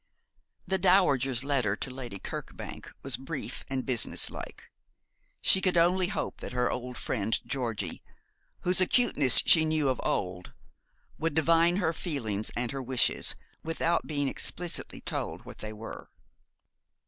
The dowager's letter to Lady Kirkbank was brief and business like. She could only hope that her old friend Georgie, whose acuteness she knew of old, would divine her feelings and her wishes, without being explicitly told what they were.